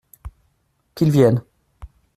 Qu’il vienne !